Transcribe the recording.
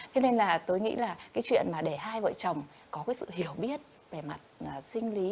thế nên là tôi nghĩ là cái chuyện mà để hai vợ chồng có cái sự hiểu biết về mặt sinh lý